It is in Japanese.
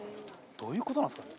どういう事なんですかね？